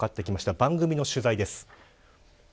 番組の取材です。